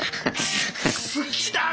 好きだね